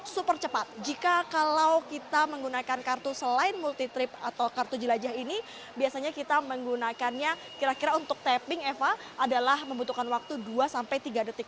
super cepat jika kalau kita menggunakan kartu selain multi trip atau kartu jelajah ini biasanya kita menggunakannya kira kira untuk tapping eva adalah membutuhkan waktu dua sampai tiga detik